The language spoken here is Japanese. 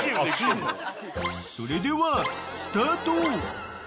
［それではスタート］